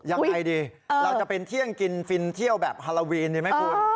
ยังไงดีเราจะเป็นเที่ยงกินฟินเที่ยวแบบฮาโลวีนดีไหมคุณ